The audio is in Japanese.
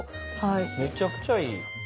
めちゃくちゃいい。